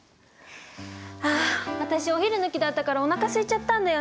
あ私お昼抜きだったからおなかすいちゃったんだよね。